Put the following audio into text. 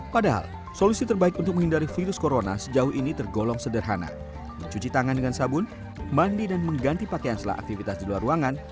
padahal solusi terbaik untuk menghindari virus corona sejauh ini tergolong sederhana mencuci tangan dengan sabun mandi dan mengganti pakaian setelah aktivitas di luar ruangan